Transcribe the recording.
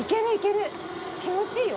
気持ちいいよ。